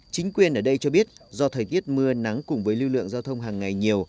chính quyền ở đây cho biết do thời tiết mưa nắng cùng với lưu lượng giao thông hàng ngày nhiều